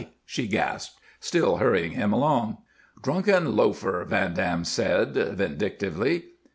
she gasped, still hurrying him along. "Drunken loafer!" Van Dam said, vindictively.